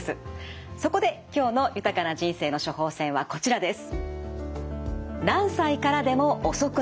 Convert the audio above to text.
そこで今日の豊かな人生の処方せんはこちらです。